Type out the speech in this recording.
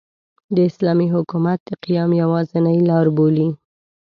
د اسلامي حکومت د قیام یوازینۍ لاربولي.